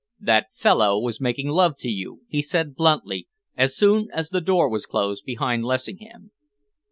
"That fellow was making love to you," he said bluntly, as soon as the door was closed behind Lessingham.